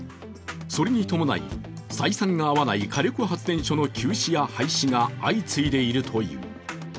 それに伴い、採算が合わない火力発電所の休止や廃止が相次いでいるという。